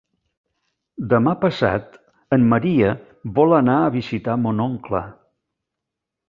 Demà passat en Maria vol anar a visitar mon oncle.